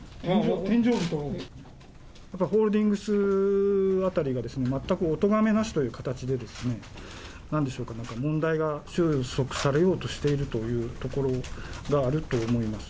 ホールディングスあたりが全くおとがめなしというんですかね、なんでしょうか、問題が終息されようとしているというところがあると思います。